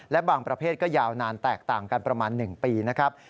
และบางประเภทก็ยาวนานแตกต่างกันประมาณ๑ปีนะครับ